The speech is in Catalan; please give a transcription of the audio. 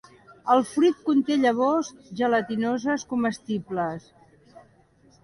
El fruit conté llavors gelatinoses comestibles.